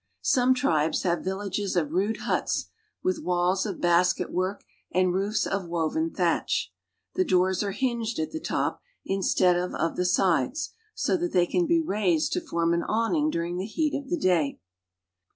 Some tribes have R villages of rude huts {leith walls of basket jrk and roofs of woven The doors are hinged at the top instead of the ) that they can be raised to form an awning during le heat of the day.